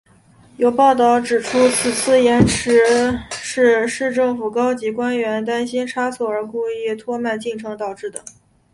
有报导指出此次延迟是市政府高级官员担心差错而故意拖慢进程导致的。